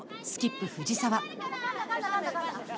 スキップ藤澤。